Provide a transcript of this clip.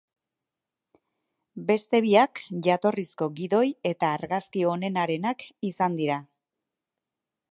Beste biak jatorrizko gidoi eta argazki onenarenak izan dira.